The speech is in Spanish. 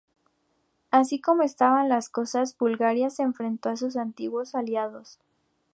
Así como estaban las cosas, Bulgaria se enfrentó a sus antiguos aliados.